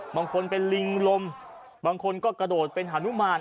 บางคนเป็นลิงลมบางคนก็กระโดดเป็นฮานุมาน